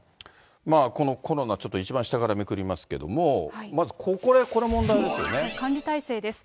このコロナ、ちょっと一番下からめくりますけども、まずここ管理体制です。